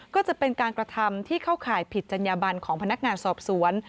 ก็จะเป็นการกระทำที่เข้าข่ายผิดจัญญาบันของพนักงานสอบสวน